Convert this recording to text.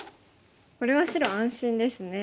これは白安心ですね。